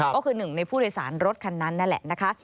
ก็คือหนึ่งในผู้โดยสารรถคันนั้นนั่นแหละนะคะ